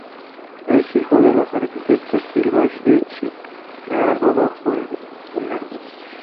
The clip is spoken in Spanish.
Es hijo de los arquitectos Silvia Hirsch y Berardo Dujovne.